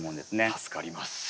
助かります。